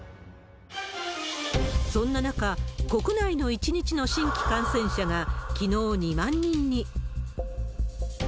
そんな中、国内の１日の新規感染者がきのう２万人に。